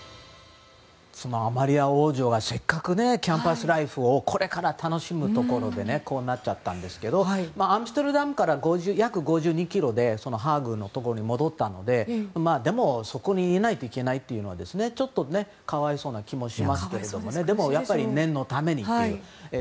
アマリア王女がせっかくキャンパスライフをこれから楽しむところでこうなっちゃったんですけどアムステルダムから約５２ｋｍで戻ったのででもそこにいないといけないのはちょっと可哀想な気もしますが念のためにという。